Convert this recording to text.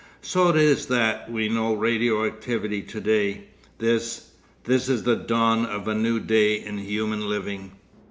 So it is that we know radio activity to day. This—this is the dawn of a new day in human living.